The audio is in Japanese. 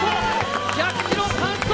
１００キロ完走。